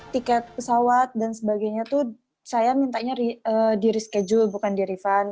tiket pesawat dan sebagainya itu saya mintanya di reschedule bukan di refund